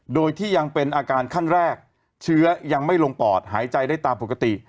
โดยที่ยังเป็นอาการขั้นแรกเชื้อยังไม่ลงปอดหายใจได้ตามปกติ